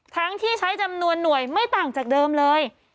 ทั้งที่ใช้จำนวนหน่วยไม่ต่างจากเดิมเลย